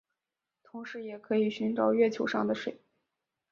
同时也可以寻找月球上的水。